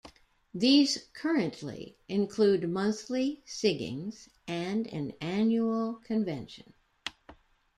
These currently include monthly singings and an annual convention.